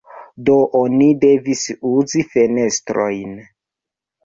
Do oni devis uzi fenestrojn.